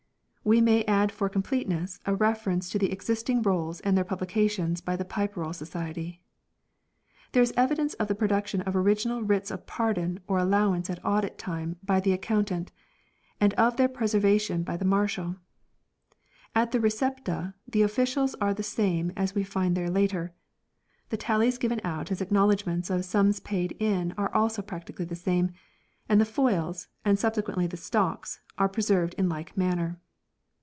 1 We may add for completeness a refer ence to the existing rolls and their publications by the Pipe Roll Society. There is evidence of the production of original writs Vouchers, of pardon or allowance at audit time by the Account ant ; and of their preservation by the Marshal. 2 At the " Recepta " the Officials are the same as we The Lower find there later. The Tallies given out as acknowledg Exche( i uer f ', Tallies and ments of sums paid in are also practically the same, words, and the foils, and subsequently the stocks, are pre served in like manner.